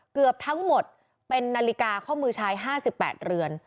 เกือบทั้งหมดเป็นนาฬิกาข้อมือชาย๕๘เรือน